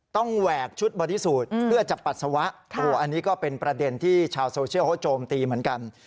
แหวกชุดบอดี้สูตรเพื่อจะปัสสาวะอันนี้ก็เป็นประเด็นที่ชาวโซเชียลเขาโจมตีเหมือนกัน